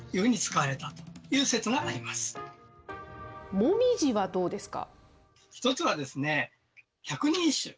もみじはどうですか。